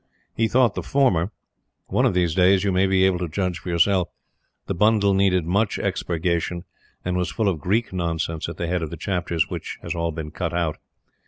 He thought the former. One of these days, you may be able to judge for yourself. The bundle needed much expurgation and was full of Greek nonsense, at the head of the chapters, which has all been cut out.